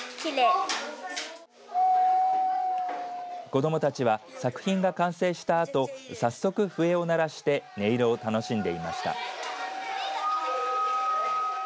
子どもたちは作品が完成したあと早速、笛を鳴らして音色を楽しんでいました。